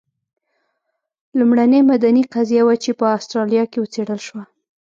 لومړنۍ مدني قضیه وه چې په اسټرالیا کې وڅېړل شوه.